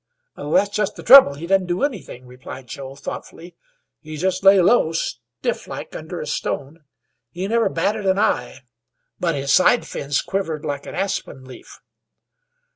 "That's just the trouble; he didn't do anything," replied Joe, thoughtfully. "He just lay low, stifflike, under a stone. He never batted an eye. But his side fins quivered like an aspen leaf."